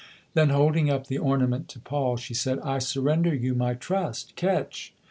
" Then holding up the " orna ment " to Paul, she said :" I surrender you my trust. Catch !